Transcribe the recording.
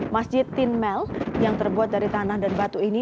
masjid tinmel yang terbuat dari tanah dan batu ini